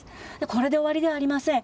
これで終わりではありません。